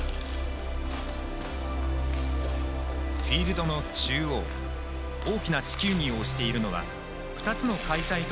フィールドの中央大きな地球儀を押しているのは２つの開催